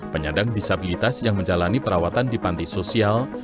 penyandang disabilitas yang menjalani perawatan di panti sosial